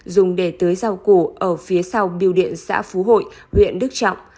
dùng để tới rào củ ở phía sau biêu điện xã phú hội huyện đức trọng